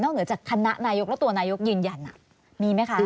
เหนือจากคณะนายกและตัวนายกยืนยันมีไหมคะ